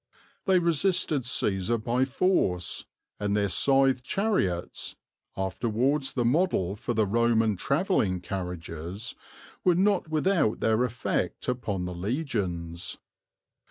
They resisted Cæsar by force, and their scythe chariots (afterwards the model for the Roman travelling carriages) were not without their effect upon the legions.